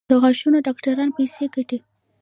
د غاښونو ډاکټران پیسې ګټي؟